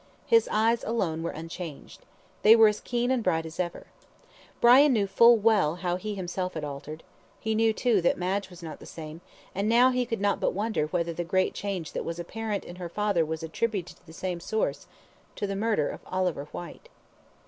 His eyes alone were unchanged. They were as keen and bright as ever. Brian knew full well how he himself had altered. He knew, too, that Madge was not the same, and now he could not but wonder whether the great change that was apparent in her father was attributable to the same source to the murder of Oliver Whyte.